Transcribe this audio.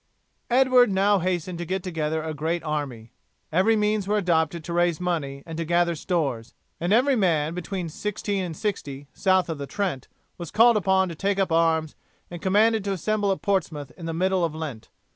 Edward now hastened to get together a great army. Every means were adopted to raise money and to gather stores, and every man between sixteen and sixty south of the Trent was called upon to take up arms and commanded to assemble at Portsmouth in the middle of Lent.